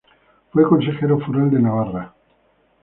Fue Consejero Foral de Navarra.